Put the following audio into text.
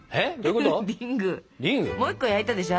もう１個焼いたでしょ。